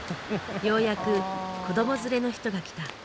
ようやく子ども連れの人が来た。